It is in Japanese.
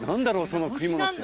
その食い物って。